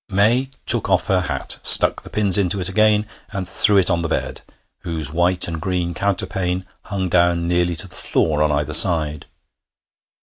May took off her hat, stuck the pins into it again, and threw it on the bed, whose white and green counterpane hung down nearly to the floor on either side.